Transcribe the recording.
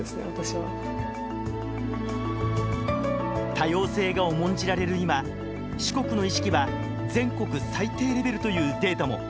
多様性が重んじられる今四国の意識は全国最低レベルというデータも。